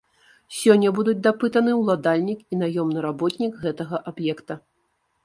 Сёння будуць дапытаны ўладальнік і наёмны работнік гэтага аб'екта.